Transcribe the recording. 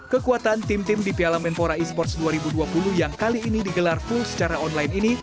kekuatan tim tim di piala menpora esports dua ribu dua puluh yang kali ini digelar full secara online ini